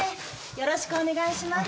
よろしくお願いします。